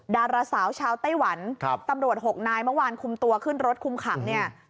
ดาราสาวชาวไต้หวันครับตำรวจ๖นายเมื่อวานคุมตัวขึ้นรถคุมขังเนี่ย